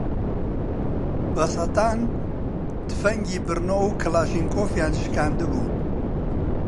بە سەتان تفەنگی بڕنۆ و کڵاشینکۆفیان شکاندبوو